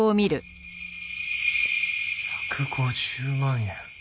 １５０万円。